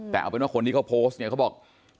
แต่เอาเป็นว่าคนที่เขาโพสต์เนี่ยเขาบอก